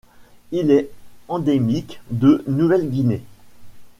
Il est endémique de Nouvelle-Guinée.